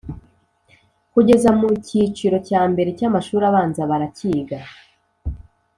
kugeza mu kiciro cya mbere cy’amashuri abanza barakiga